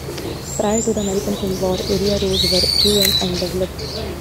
Prior to the American Civil War, area roads were few and undeveloped.